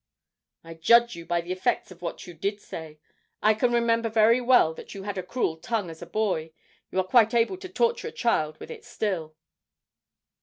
'I judge you by the effects of what you did say. I can remember very well that you had a cruel tongue as a boy you are quite able to torture a child with it still.'